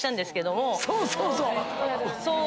そうそうそう！